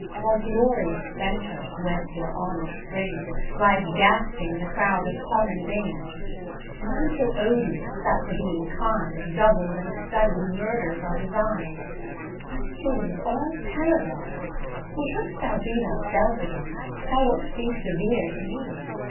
While glorious friendship, whence your honour springs. Lies gasping in the Crowd of common things ; And I'm so odious, that for being kind Doubled and studied murthers are design'd. Thy sin 's all paradox, for shouldst thou be Thyself again, th' wouldst be severe to me.